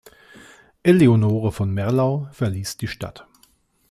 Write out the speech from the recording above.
Eleonore von Merlau verließ die Stadt.